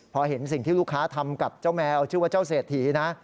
พอเห็นสิ่งที่ลูกค้าทำกับเจ้าแมวชื่อว่าเจ้าเศรษฐีนะ